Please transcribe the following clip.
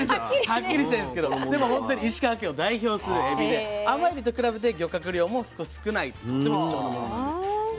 はっきりしたいんですけどでも本当に石川県を代表するエビで甘エビと比べて漁獲量も少ないとっても貴重なものなんです。